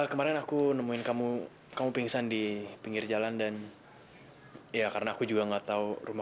sampai jumpa di video selanjutnya